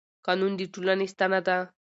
قانون د ټولنې ستنه ده